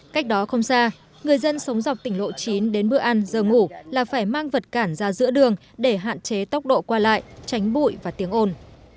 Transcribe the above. cách đó không xa người dân sống dọc tỉnh lộ chín đến bữa ăn giờ ngủ là phải mang vật cản ra giữa đường để hạn chế tốc độ qua lại tránh bụi và tiếng ồn